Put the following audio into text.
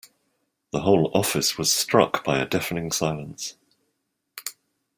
The whole office was struck by a deafening silence.